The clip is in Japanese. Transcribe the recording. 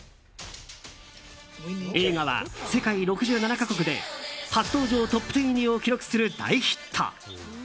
映画は世界６７か国で初登場トップ１０入りを記録する大ヒット。